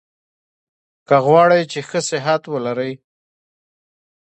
که غواړی چي ښه صحت ولرئ؟